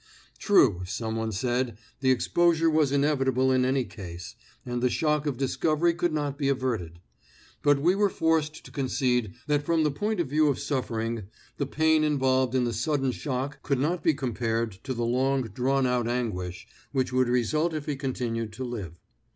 True, someone said, the exposure was inevitable in any case, and the shock of discovery could not be averted; but we were forced to concede that from the point of view of suffering, the pain involved in the sudden shock could not be compared to the long drawn out anguish which would result if he continued to live.